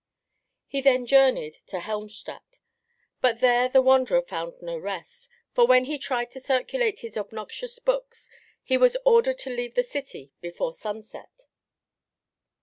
He then journeyed to Helmstadt, but there the wanderer found no rest; for when he tried to circulate his obnoxious books, he was ordered to leave the city before sunset.